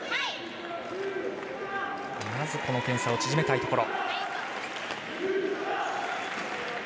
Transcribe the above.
この点差を縮めたいところ。